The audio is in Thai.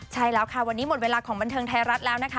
ใช่แล้วค่ะวันนี้หมดเวลาของบันเทิงไทยรัฐแล้วนะคะ